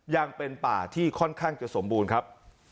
ยังเป็นป่าที่ค่อนข้างจะสมบูรณ์ครับ